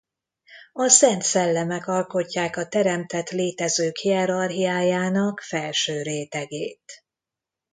A szent szellemek alkotják a teremtett létezők hierarchiájának felső rétegét.